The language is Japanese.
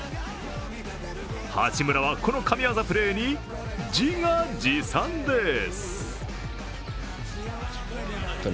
八村はこの神業プレーに自画自賛です。